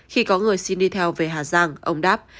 khi có người xin đi theo về hà giang ông đáp